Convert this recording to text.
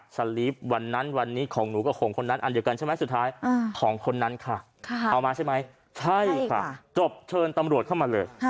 สุดท้ายของคนนั้นเอามาใช่ไหมใช่ค่ะจบเชิญตำรวจเข้ามาเลย